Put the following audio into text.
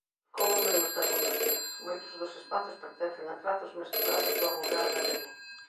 Como me gusta conducir, moitos dos espazos pertencen a trazos mesturados do rural galego.